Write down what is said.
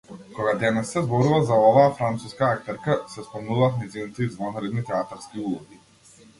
Кога денес се зборува за оваа француска актерка, се спомнуваат нејзините извонредни театарски улоги.